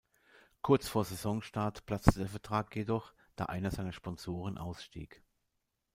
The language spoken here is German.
Kurz vor Saisonstart platzte der Vertrag jedoch, da einer seiner Sponsoren ausstieg.